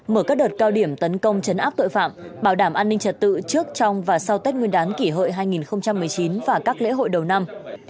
mở các đợt cao điểm tấn công chấn áp tội phạm bảo đảm an ninh trật tự trước trong và sau tết nguyên đán kỷ hợi hai nghìn một mươi chín và các lễ hội đầu năm